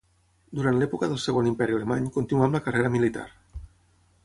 Durant l'època del segon imperi alemany continuà amb la carrera militar.